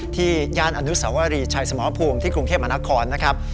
ที่ย่านอนุสาวรีชัยสมภพุงที่กรุงเทพอาณาคอนนะครับ